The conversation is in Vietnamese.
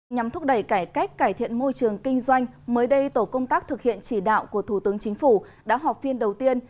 nhằm thúc đẩy cải cách cải thiện môi trường kinh doanh mới đây tổ công tác thực hiện chỉ đạo của thủ tướng chính phủ đã họp phiên đầu tiên